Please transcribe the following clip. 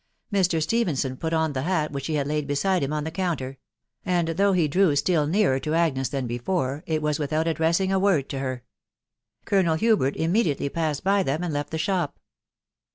Mr Stephenson put on the hat which he had laid beside him on the counter ; and though he drew still nearer to Agnes than before, it was without addressing a word to her. Colonel Hubert immedi ately passed by them, and left the shop.